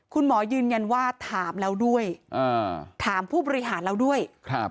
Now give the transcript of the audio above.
คุณหมอยืนยันว่าถามแล้วด้วยถามผู้บริหารเราด้วย